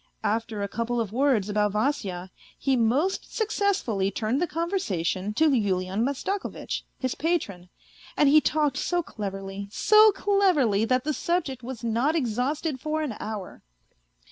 After a couple of words about Vasya he most successfully turned the conversation to Yulian Mastakovitch, his patron. And he talked so cleverly, so cleverly that the subject was not exhausted for an hour.